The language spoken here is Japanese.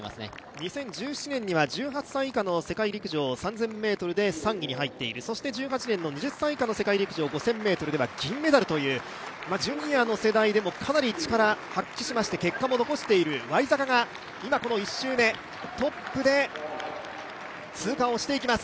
２０１７年には１８歳以下の世界陸上、３０００ｍで３位に入っている、１８年の二十歳以下の５０００ｍでは銀メダルというジュニアの世代でかなり力を発揮し、結果も残しているワイザカが今、１周目、トップで通過をしていきます。